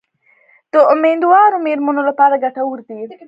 د امیندواره میرمنو لپاره ګټور دي.